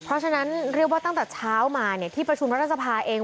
เพราะฉะนั้นเรียกว่าตั้งแต่เช้ามาเนี่ยที่ประชุมรัฐสภาเอง